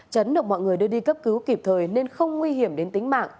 chấn được mọi người đưa đi cấp cứu kịp thời nên không nguy hiểm đến tính mạng